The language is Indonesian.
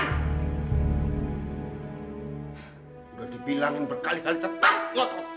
sudah dibilangin berkali kali tetap loh